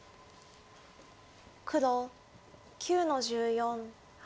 黒９の十四ハネ。